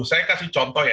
saya kasih contoh ya